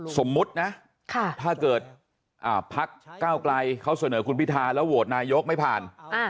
สมมุตินะถ้าเกิดพักเก้าไกลเขาเสนอคุณพิทาแล้วโหวตนายกไม่ผ่าน